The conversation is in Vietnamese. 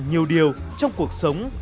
nhiều điều trong cuộc sống